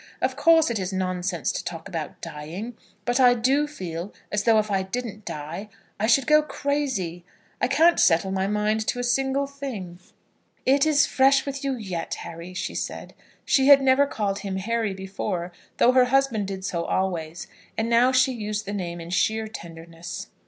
Of course it is nonsense to talk about dying, but I do feel as though if I didn't die I should go crazy. I can't settle my mind to a single thing." "It is fresh with you yet, Harry," she said. She had never called him Harry before, though her husband did so always, and now she used the name in sheer tenderness.